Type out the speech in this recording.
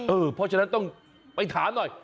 เพราะฉะนั้นต้องไปถามหน่อย